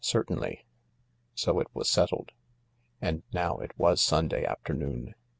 Certainly." So it was settled. ••••«. And now it was Sunday afternoon.